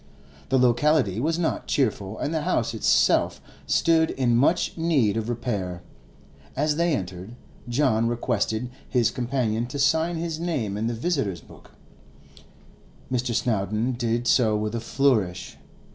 The locality was not cheerful, and the house itself stood in much need of repair. As they entered, John requested his companion to sign his name in the visitors' book; Mr. Snowdon did so with a flourish.